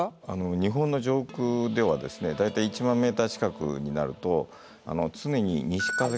日本の上空ではですね大体１万メーター近くになると常に西風が吹いてるんです。